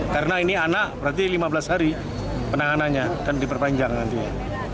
karena ini anak berarti lima belas hari penanganannya dan diperpanjang nantinya